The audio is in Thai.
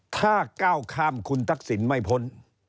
ถ้าก้าวข้ามคุณทักษิณไม่พ้น